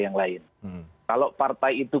yang lain kalau partai itu